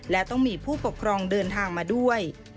และต้องมีผู้ปกครองเดินทางมาด้วย